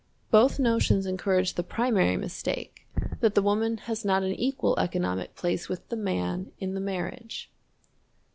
Both notions encourage the primary mistake that the woman has not an equal economic place with the man in the marriage.